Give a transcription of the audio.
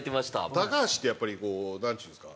高橋ってやっぱりこうなんちゅうんですか。